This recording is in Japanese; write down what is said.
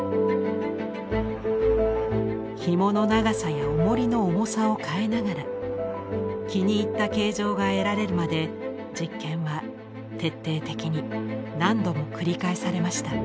ひもの長さやおもりの重さを変えながら気に入った形状が得られるまで実験は徹底的に何度も繰り返されました。